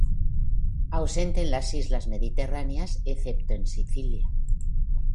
Ausente en las islas mediterráneas excepto en Sicilia.